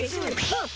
はっ！